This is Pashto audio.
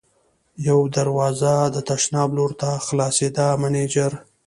یوه دروازه د تشناب لور ته خلاصېده، مېنېجر.